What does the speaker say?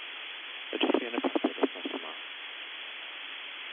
Ydych chi yn y papur wythnos yma?